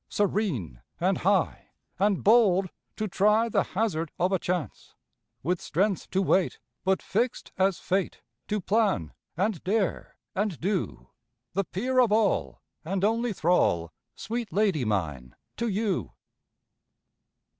Serene and high, and bold to try The hazard of a chance. With strength to wait, but fixed as fate, To plan and dare and do; The peer of all and only thrall, Sweet lady mine, to you!